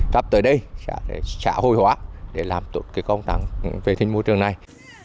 tập tới đây sẽ hồi hóa để làm tốt công tác về thiên môi trường này